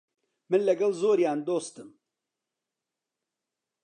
من لەگەڵ زۆریان دۆستم.